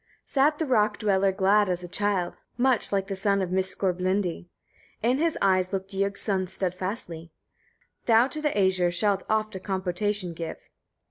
2. Sat the rock dweller glad as a child, much like the son of Miskorblindi. In his eyes looked Ygg's son steadfastly. "Thou to the Æsir shalt oft a compotation give."